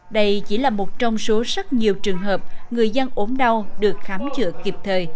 đây chỉ là một trong số rất nhiều trường hợp người dân ốm đau được khám chữa kịp thời